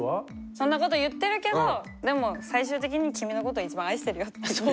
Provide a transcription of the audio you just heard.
そんなこと言ってるけどでも最終的に君のことを一番愛してるよっていう意味。